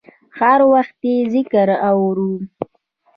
هر وخت یې ذکر اورم